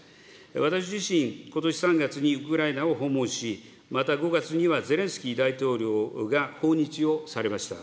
私自身、ことし３月にウクライナを訪問し、また５月にはゼレンスキー大統領が訪日をされました。